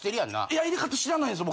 いや入れ方知らないんです